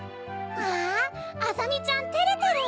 ああざみちゃんてれてる！